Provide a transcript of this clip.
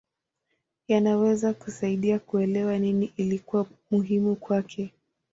Yanaweza kusaidia kuelewa nini ilikuwa muhimu kwake.